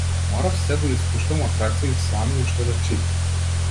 Морав сѐ да испуштам од раце и само уште да читам.